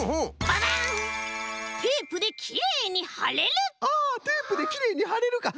あテープできれいにはれるか。